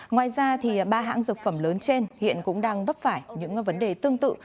ngoài ra ba hãng dược phẩm lớn trên hiện cũng đang vấp phải những vấn đề tương tự